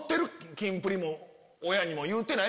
キンプリも親にも言うてない？